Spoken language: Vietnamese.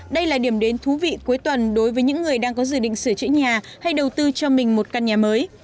đây là điểm đến thú vị cuối tuần đối với những người đang có dự định sửa chữa nhà hay đầu tư cho mình một căn nhà mới